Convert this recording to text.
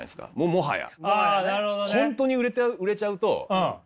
もはや。